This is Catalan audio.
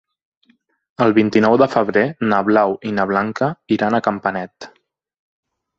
El vint-i-nou de febrer na Blau i na Blanca iran a Campanet.